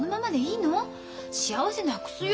幸せなくすよ？